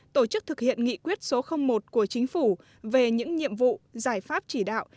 tổ chức thực hiện nghị quyết số một của chính phủ về những nhiệm vụ giải pháp chỉ đạo